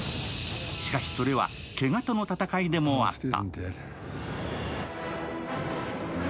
しかしそれは、けがとの闘いでもあった。